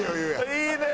いいね！